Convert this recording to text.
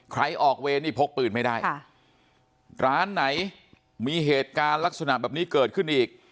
ใครออกเวรนี่พกปืนไม่ได้ร้านไหนมีเหตุการณ์ลักษณะแบบนี้เกิดขึ้นอีก